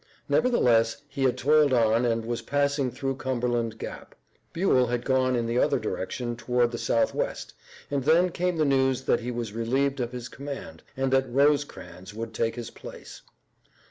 Nevertheless he had toiled on and was passing through Cumberland Gap. Buell had gone in the other direction toward the southwest, and then came the news that he was relieved of his command, and that Rosecrans would take his place.